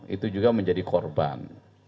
itu juga menjadi korban